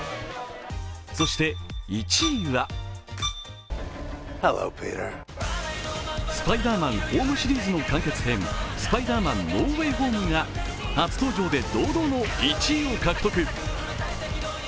そして１位は「スパイダーマン」ホームシリーズの完結編「スパイダーマン：ノー・ウェイ・ホーム」が初登場で堂々の１位を獲得。